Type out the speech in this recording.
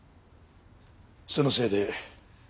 そのせいで。